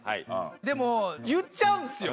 でも言っちゃうんですよ！